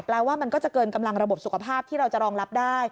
ว่ามันก็จะเกินกำลังระบบสุขภาพที่เราจะรองรับได้